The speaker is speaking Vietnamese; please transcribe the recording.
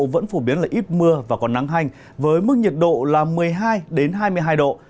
vẫn phổ biến là ít mưa và còn nắng hành với mức nhiệt độ là một mươi hai hai mươi hai độ